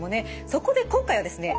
そこで今回はですね